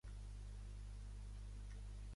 Descobreix la màgica que amaga aquest paratge.